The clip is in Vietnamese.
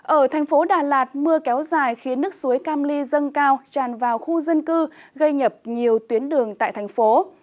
ở thành phố đà lạt mưa kéo dài khiến nước suối cam ly dâng cao tràn vào khu dân cư gây nhập nhiều tuyến đường tại thành phố